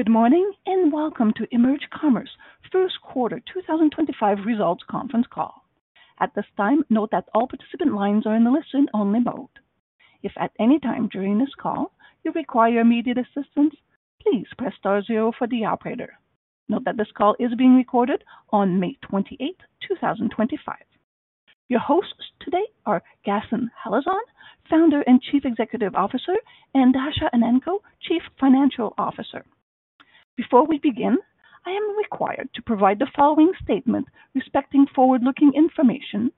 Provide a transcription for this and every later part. Good morning and welcome to EMERGE Commerce First Quarter 2025 Results Conference Call. At this time, note that all participant lines are in the listen-only mode. If at any time during this call you require immediate assistance, please press star zero for the operator. Note that this call is being recorded on May 28, 2025. Your hosts today are Ghassan Halazon, Founder and Chief Executive Officer, and Dasha Enenko, Chief Financial Officer. Before we begin, I am required to provide the following statement respecting forward-looking information,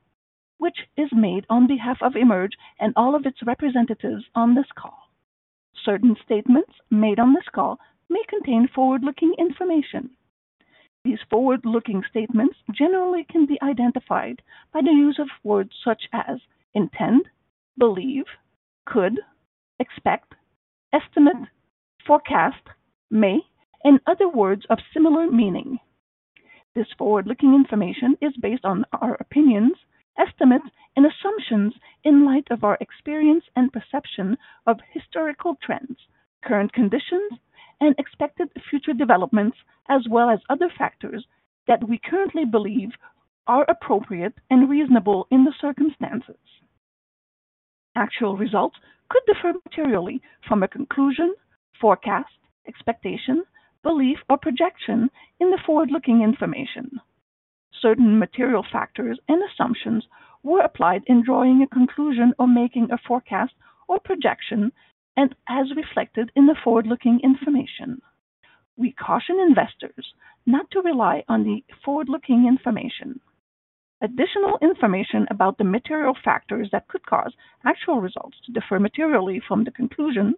which is made on behalf of EMERGE and all of its representatives on this call. Certain statements made on this call may contain forward-looking information. These forward-looking statements generally can be identified by the use of words such as intend, believe, could, expect, estimate, forecast, may, and other words of similar meaning. This forward-looking information is based on our opinions, estimates, and assumptions in light of our experience and perception of historical trends, current conditions, and expected future developments, as well as other factors that we currently believe are appropriate and reasonable in the circumstances. Actual results could differ materially from a conclusion, forecast, expectation, belief, or projection in the forward-looking information. Certain material factors and assumptions were applied in drawing a conclusion or making a forecast or projection, and as reflected in the forward-looking information. We caution investors not to rely on the forward-looking information. Additional information about the material factors that could cause actual results to differ materially from the conclusion,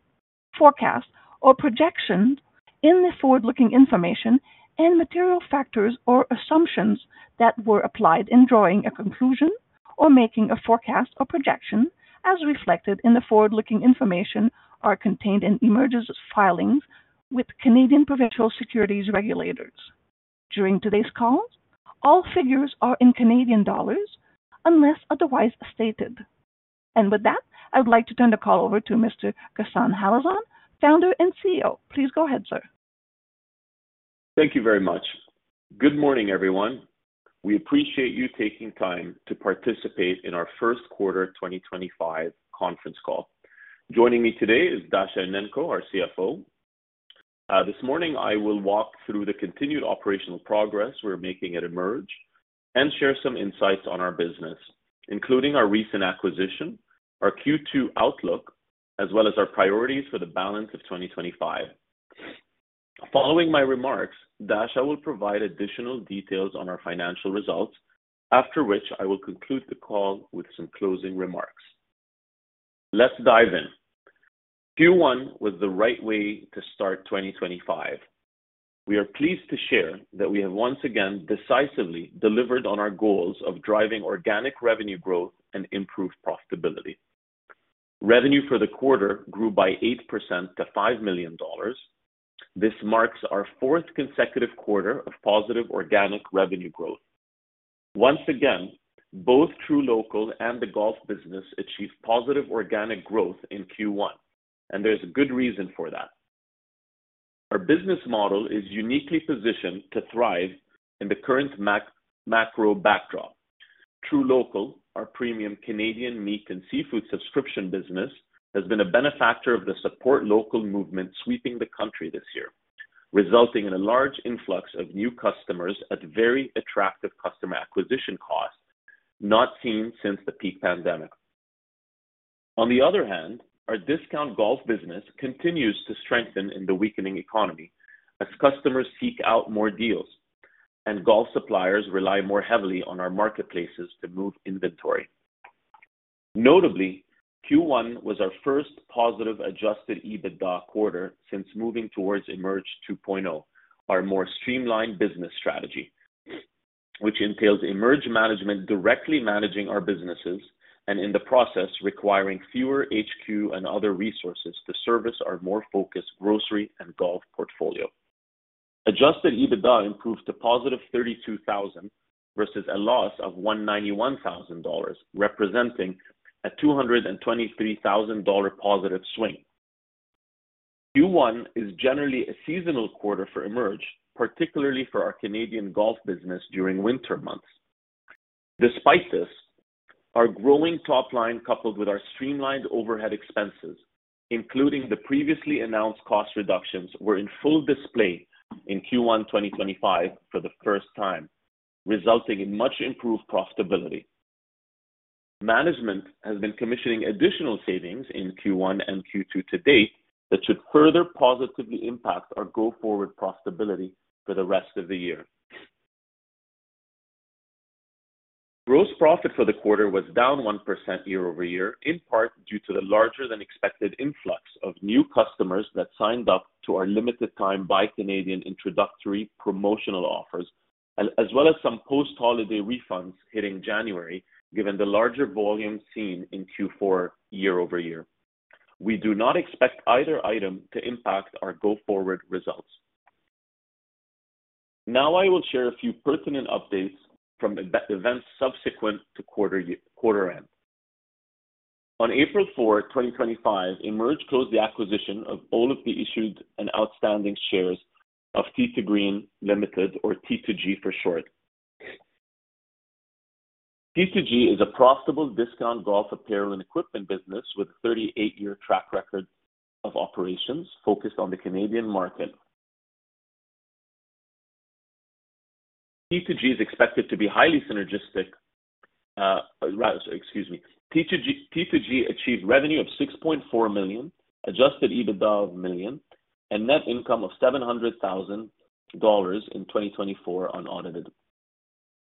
forecast, or projection in the forward-looking information and material factors or assumptions that were applied in drawing a conclusion or making a forecast or projection, as reflected in the forward-looking information, are contained in EMERGE's filings with Canadian Provincial Securities Regulators. During today's call, all figures are in Canadian Dollars unless otherwise stated. With that, I would like to turn the call over to Mr. Ghassan Halazon, Founder and CEO. Please go ahead, sir. Thank you very much. Good morning, everyone. We appreciate you taking time to participate in our First Quarter 2025 Conference Call. Joining me today is Dasha Enenko, our CFO. This morning, I will walk through the continued operational progress we're making at EMERGE and share some insights on our business, including our recent acquisition, our Q2 outlook, as well as our priorities for the balance of 2025. Following my remarks, Dasha will provide additional details on our financial results, after which I will conclude the call with some closing remarks. Let's dive in. Q1 was the right way to start 2025. We are pleased to share that we have once again decisively delivered on our goals of driving organic revenue growth and improved profitability. Revenue for the quarter grew by 8% to 5 million dollars. This marks our fourth consecutive quarter of positive organic revenue growth. Once again, both truLOCAL and the Golf Business achieved positive organic growth in Q1, and there's a good reason for that. Our business model is uniquely positioned to thrive in the current macro backdrop. truLOCAL, our premium Canadian meat and seafood subscription business, has been a benefactor of the support local movement sweeping the country this year, resulting in a large influx of new customers at very attractive customer acquisition costs not seen since the peak pandemic. On the other hand, our discount Golf Business continues to strengthen in the weakening economy as customers seek out more deals, and golf suppliers rely more heavily on our marketplaces to move inventory. Notably, Q1 was our first positive adjusted EBITDA quarter since moving towards EMERGE 2.0, our more streamlined business strategy, which entails EMERGE management directly managing our businesses and, in the process, requiring fewer HQ and other resources to service our more focused grocery and golf portfolio. Adjusted EBITDA improved to positive 32,000 versus a loss of 191,000 dollars, representing a 223,000 dollar positive swing. Q1 is generally a seasonal quarter for EMERGE, particularly for our Canadian Golf Business during winter months. Despite this, our growing top line coupled with our streamlined overhead expenses, including the previously announced cost reductions, were in full display in Q1 2025 for the first time, resulting in much improved profitability. Management has been commissioning additional savings in Q1 and Q2 to date that should further positively impact our go-forward profitability for the rest of the year. Gross profit for the quarter was down one percent year over year, in part due to the larger-than-expected influx of new customers that signed up to our limited-time buy Canadian introductory promotional offers, as well as some post-holiday refunds hitting January, given the larger volume seen in Q4 year over year. We do not expect either item to impact our go-forward results. Now I will share a few pertinent updates from events subsequent to quarter end. On April 4, 2025, EMERGE closed the acquisition of all of the issued and outstanding shares of T2 Green Limited, or T2G for short. T2G is a profitable discount golf apparel and equipment business with a 38-year track record of operations focused on the Canadian market. T2G is expected to be highly synergistic. Excuse me. T2G achieved revenue of 6.4 million, adjusted EBITDA of 1 million, and net income of 700,000 dollars in 2024 on audited.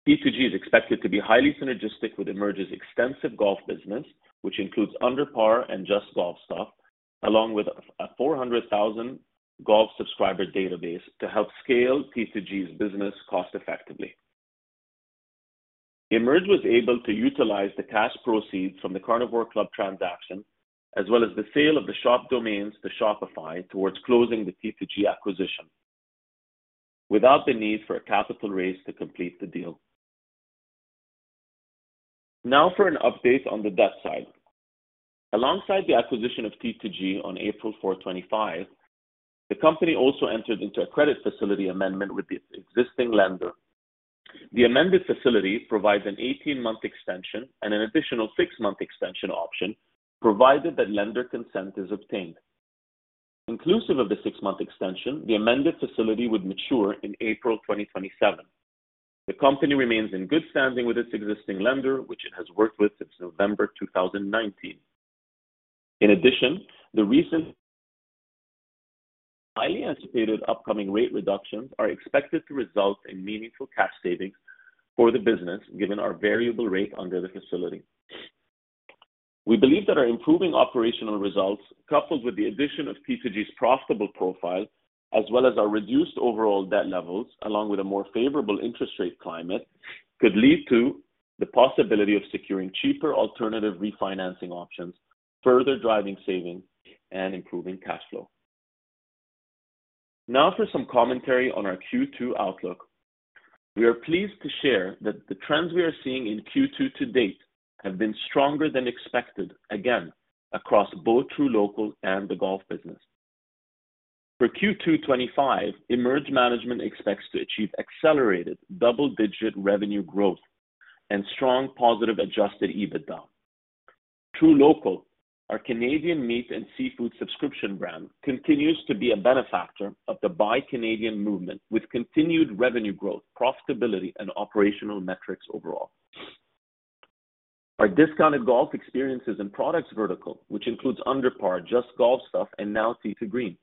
T2G is expected to be highly synergistic with EMERGE's extensive Golf Business, which includes Underpar and Just Golf Stuff, along with a 400,000 golf subscriber database to help scale T2G's business cost-effectively. EMERGE was able to utilize the cash proceeds from the Carnivore Club transaction, as well as the sale of the shop domains to Shopify, towards closing the T2G acquisition, without the need for a capital raise to complete the deal. Now for an update on the debt side. Alongside the acquisition of T2G on April 4, 2025, the company also entered into a credit facility amendment with the existing lender. The amended facility provides an 18-month extension and an additional 6-month extension option, provided that lender consent is obtained. Inclusive of the 6-month extension, the amended facility would mature in April 2027. The company remains in good standing with its existing lender, which it has worked with since November 2019. In addition, the recently anticipated upcoming rate reductions are expected to result in meaningful cash savings for the business, given our variable rate under the facility. We believe that our improving operational results, coupled with the addition of T2G's profitable profile, as well as our reduced overall debt levels, along with a more favorable interest rate climate, could lead to the possibility of securing cheaper alternative refinancing options, further driving savings and improving cash flow. Now for some commentary on our Q2 outlook. We are pleased to share that the trends we are seeing in Q2 to date have been stronger than expected, again, across both trueLOCAL and the Golf Business. For Q2 2025, EMERGE management expects to achieve accelerated double-digit revenue growth and strong positive adjusted EBITDA. truLOCAL, our Canadian meat and seafood subscription brand, continues to be a benefactor of the buy Canadian movement, with continued revenue growth, profitability, and operational metrics overall. Our discounted Golf experiences and products vertical, which includes UnderPar, Just Golf Stuff, and now T2 Green,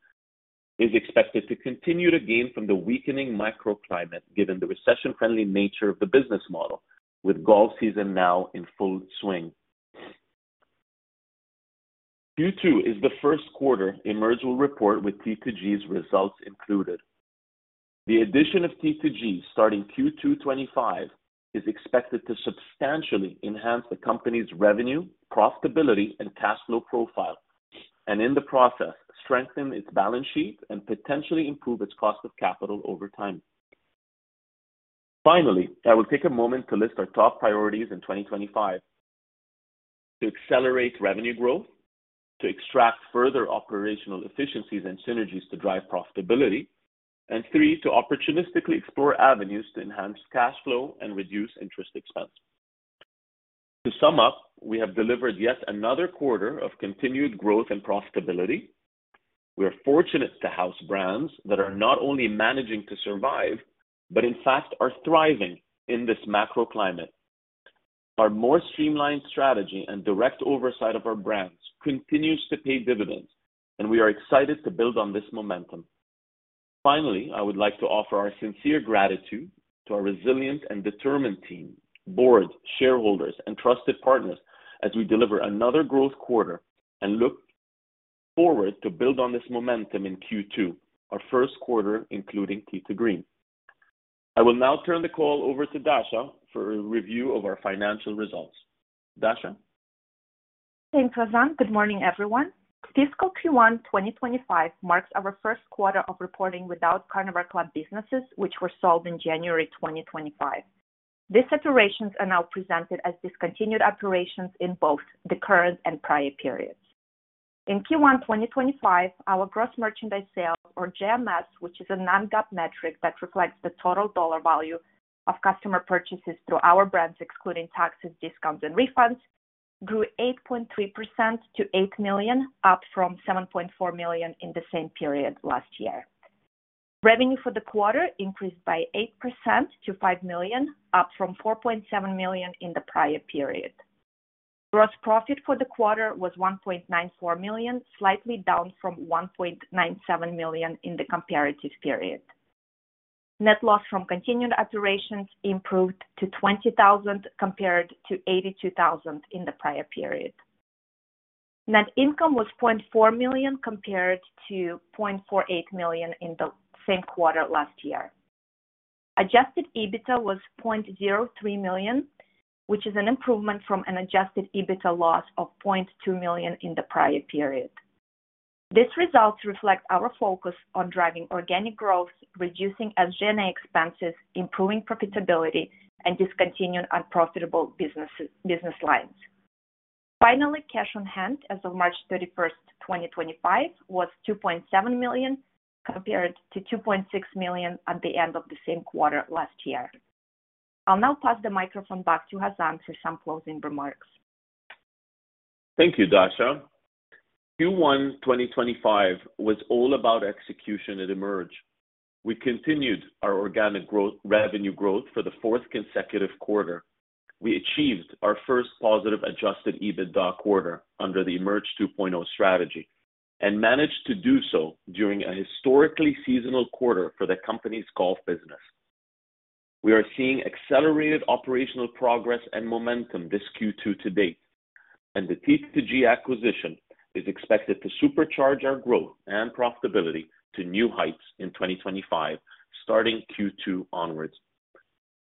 is expected to continue to gain from the weakening microclimate, given the recession-friendly nature of the business model, with golf season now in full swing. Q2 is the first quarter EMERGE will report with T2G's results included. The addition of T2G starting Q2 2025 is expected to substantially enhance the company's revenue, profitability, and cash flow profile, and in the process, strengthen its balance sheet and potentially improve its cost of capital over time. Finally, I will take a moment to list our top priorities in 2025, to accelerate revenue growth, to extract further operational efficiencies and synergies to drive profitability, and three, to opportunistically explore avenues to enhance cash flow and reduce interest expense. To sum up, we have delivered yet another quarter of continued growth and profitability. We are fortunate to house brands that are not only managing to survive, but in fact are thriving in this macroclimate. Our more streamlined strategy and direct oversight of our brands continues to pay dividends, and we are excited to build on this momentum. Finally, I would like to offer our sincere gratitude to our resilient and determined team, board, shareholders, and trusted partners as we deliver another growth quarter and look forward to building on this momentum in Q2, our first quarter including T2 Green. I will now turn the call over to Dasha for a review of our financial results. Dasha. Thanks, Ghassan. Good morning, everyone. Fiscal Q1 2025 marks our first quarter of reporting without Carnivore Club businesses, which were sold in January 2025. These iterations are now presented as discontinued operations in both the current and prior periods. In Q1 2025, our gross merchandise sales, or GMS, which is a Non-GAAP metric that reflects the total dollar value of customer purchases through our brands, excluding taxes, discounts, and refunds, grew 8.3% to 8 million, up from 7.4 million in the same period last year. Revenue for the quarter increased by 8% to 5 million, up from 4.7 million in the prior period. Gross profit for the quarter was 1.94 million, slightly down from 1.97 million in the comparative period. Net loss from continued operations improved to 20,000 compared to 82,000 in the prior period. Net income was 0.4 million compared to 0.48 million in the same quarter last year. Adjusted EBITDA was 0.03 million, which is an improvement from an adjusted EBITDA loss of 0.2 million in the prior period. These results reflect our focus on driving organic growth, reducing SG&A expenses, improving profitability, and discontinuing unprofitable business lines. Finally, cash on hand as of March 31st 2025, was 2.7 million compared to 2.6 million at the end of the same quarter last year. I'll now pass the microphone back to Ghassan for some closing remarks. Thank you, Dasha. Q1 2025 was all about execution at EMERGE. We continued our organic revenue growth for the fourth consecutive quarter. We achieved our first positive Adjusted EBITDA quarter under the EMERGE 2.0 strategy and managed to do so during a historically seasonal quarter for the company's golf business. We are seeing accelerated operational progress and momentum this Q2 to date, and the T2G acquisition is expected to supercharge our growth and profitability to new heights in 2025, starting Q2 onwards.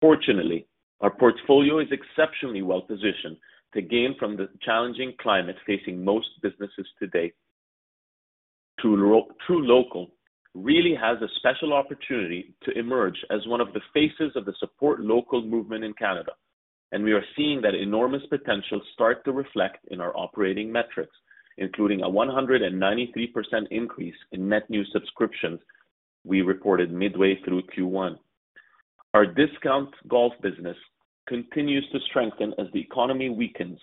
Fortunately, our portfolio is exceptionally well-positioned to gain from the challenging climate facing most businesses today. trueLOCAL really has a special opportunity to emerge as one of the faces of the support local movement in Canada, and we are seeing that enormous potential start to reflect in our operating metrics, including a 193% increase in net new subscriptions we reported midway through Q1. Our discount Golf Business continues to strengthen as the economy weakens,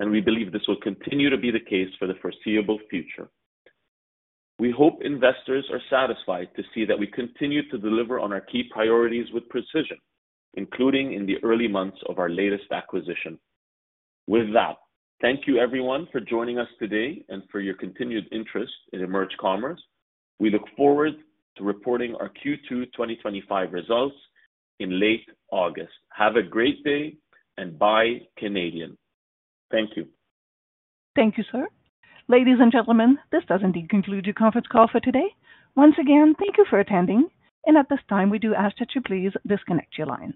and we believe this will continue to be the case for the foreseeable future. We hope investors are satisfied to see that we continue to deliver on our key priorities with precision, including in the early months of our latest acquisition. With that, thank you, everyone, for joining us today and for your continued interest in EMERGE Commerce. We look forward to reporting our Q2 2025 results in late August. Have a great day and buy Canadian. Thank you. Thank you, sir. Ladies and gentlemen, this does indeed conclude your conference call for today. Once again, thank you for attending, and at this time, we do ask that you please disconnect your lines.